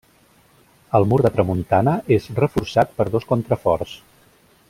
El mur de tramuntana és reforçat per dos contraforts.